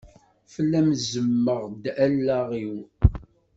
Fell-am ẓemmeɣ-d allaɣ-iw.